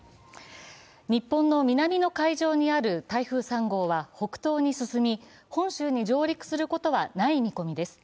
日本の南の海上にある台風３号は北東に進み、本州に上陸することはない見込みです。